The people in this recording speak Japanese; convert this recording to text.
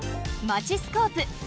「マチスコープ」。